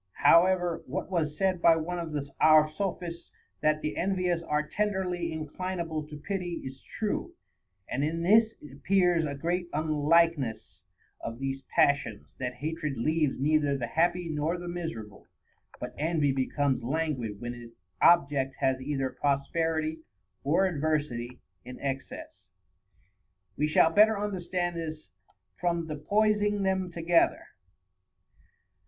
However, what was said by one of our Sophists, that the envious are tenderly inclinable to pity, is true ; and in this appears a great unlikeness of these passions, that hatred leaves neither the happy nor the miserable, but envy becomes languid when its object has either prosperity or adversity in excess. 7. We shall better understand this from the poising them together.